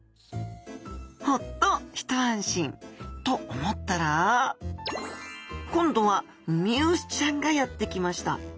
ホッと一安心。と思ったら今度はウミウシちゃんがやって来ました！